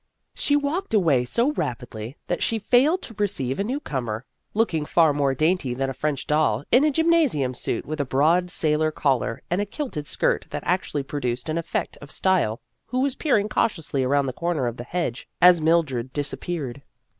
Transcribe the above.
She walked away so rapidly that she failed to perceive a newcomer, looking far more dainty than a French doll, in a gym nasium suit with a broad sailor collar and a kilted skirt that actually produced an effect of style, who was peering cautiously around the corner of the hedge, as Mildred disappeared.